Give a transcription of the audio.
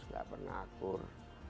tidak pernah akur